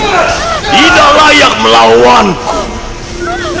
tidak layak melawanku